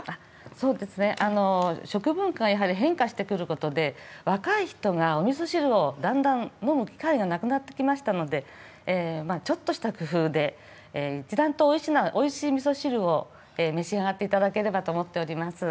そうですね、食文化がやはり変化してくることで、若い人がおみそ汁をだんだん飲む機会がなくなってきましたので、ちょっとした工夫で一段とおいしいみそ汁を召し上がっていただければと思っております。